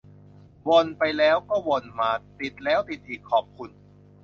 วนไปแล้วก็วนมา ติดแล้วติดอีก ขอบคุณ